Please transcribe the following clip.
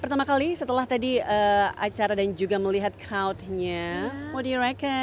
pertama kali setelah tadi acara dan juga melihat crowdnya modiraker